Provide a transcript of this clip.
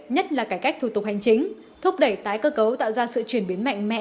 nhất là cải cách thủ tục hành chính thúc đẩy tái cơ cấu tạo ra sự chuyển biến mạnh mẽ